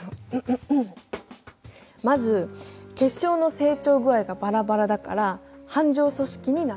まず結晶の成長具合がバラバラだから斑状組織になっている。